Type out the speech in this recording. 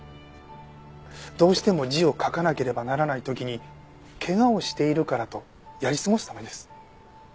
どうしても字を書かなければならない時に「怪我をしているから」とやり過ごすためです。